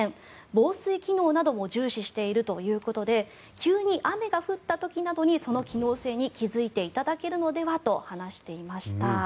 防水機能なども重視しているということで急に雨が降った時などにその機能性に気付いていただけるのではと話していました。